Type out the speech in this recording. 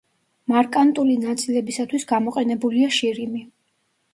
მარკანტული ნაწილებისათვის გამოყენებულია შირიმი.